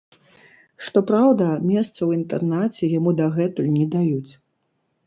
Што праўда, месца ў інтэрнаце яму дагэтуль не даюць.